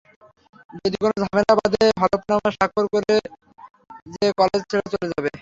যদি কোনো ঝামেলা বাঁধে হলফনামা স্বাক্ষর করো যে কলেজ ছেড়ে চলে যাবে।